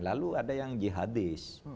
lalu ada yang jihadis